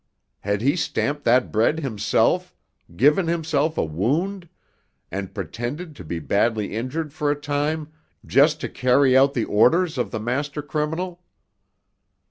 Had he stamped that bread himself, given himself a wound, and pretended to be badly injured for a time just to carry out the orders of the master criminal?